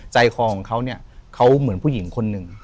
ใจคอของเขาเนี่ยเขาเหมือนผู้หญิงคนหนึ่ง